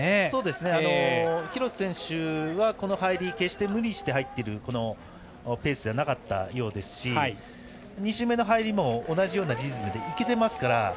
そうですね、廣瀬選手はこの入り決して無理して入っているペースではなかったですし２周目の入りも同じような技術でいけていますから。